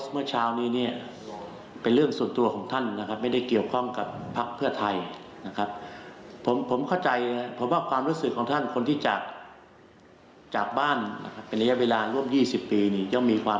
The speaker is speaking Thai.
ไม่เกี่ยวข้องกับภาคเพื่อไทย